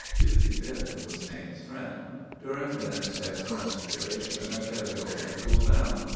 You'd see then who was Mame's friend!' "During Ben's expostulation Thériault had cooled down.